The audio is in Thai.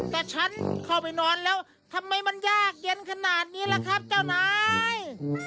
แต่ฉันเข้าไปนอนแล้วทำไมมันยากเย็นขนาดนี้ล่ะครับเจ้านาย